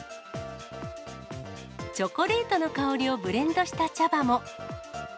チョコレートの香りをブレンドした茶葉も。